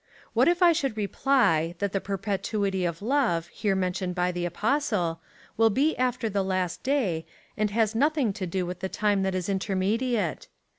What if I should reply, that the perjDetuity of love, here mentioned by the Apostle, will be after the last day, and has nothing to do with the time that is intermediate